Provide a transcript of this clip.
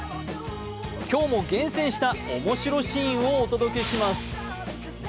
今日も厳選した面白シーンをお届けします。